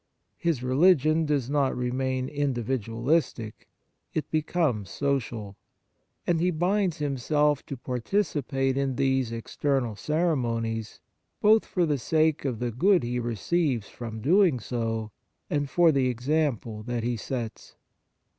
His religion does not re main individualistic, it becomes social. And he binds himself to par ticipate in these external ceremonies, both for the sake of the good he receives from doing so and for the example that he sets.